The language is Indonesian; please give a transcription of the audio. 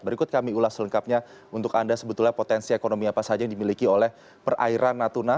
berikut kami ulas selengkapnya untuk anda sebetulnya potensi ekonomi apa saja yang dimiliki oleh perairan natuna